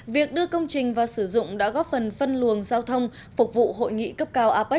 việc đưa công trình và sử dụng đã góp phần phân luồng giao thông phục vụ hội nghị cấp cao apec hai nghìn một mươi bảy